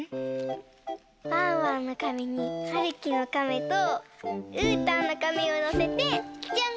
ワンワンのカメにはるきのカメとうーたんのカメをのせてじゃん！